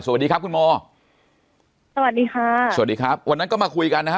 สวัสดีครับคุณโมสวัสดีค่ะสวัสดีครับวันนั้นก็มาคุยกันนะฮะ